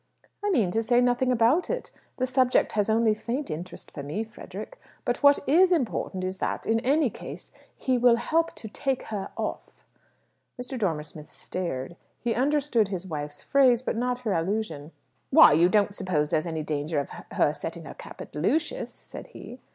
"I mean to say nothing about it. The subject has only a faint interest for me, Frederick. But what is important is that, in any case, he will help to take her off." Mr. Dormer Smith stared; he understood his wife's phrase, but not her allusion. "Why, you don't suppose there's any danger of her setting her cap at Lucius?" said he.